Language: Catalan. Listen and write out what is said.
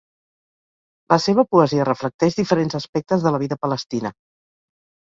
La seva poesia reflecteix diferents aspectes de la vida palestina.